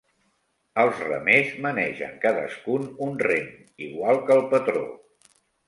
Els remers manegen cadascun un rem, igual que el patró.